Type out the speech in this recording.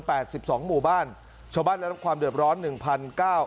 สิบสองหมู่บ้านชาวบ้านได้รับความเดือดร้อนหนึ่งพันเก้า